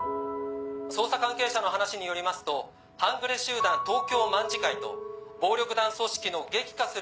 捜査関係者の話によりますと半グレ集団東京卍會と暴力団組織の激化する対立抗争。